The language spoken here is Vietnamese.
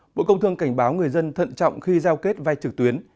bộ công thương cảnh báo người dân thận trọng khi giao kết vai trực tuyến